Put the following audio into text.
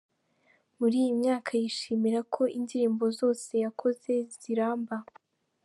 Muri iyi myaka yishimira ko indirimbo zose yakoze ziramba.